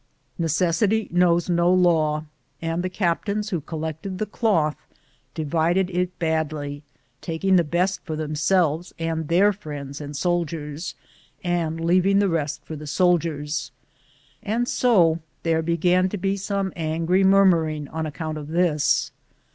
Neces sity knows no law, ard the captains who collected the cloth divided it badly, taking the best for themselves and their friends and soldiers, and leaving the rest for the soldiers, and so there began to be some angry mur muring on account of this.